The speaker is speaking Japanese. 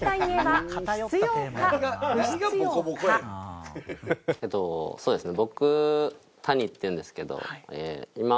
けどそうですね